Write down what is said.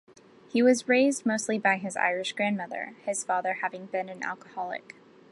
He was raised mostly by his Irish grandmother, his father having been an alcoholic.